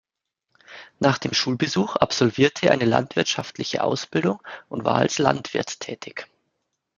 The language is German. Nach dem Schulbesuch absolvierte er eine landwirtschaftliche Ausbildung und war als Landwirt tätig.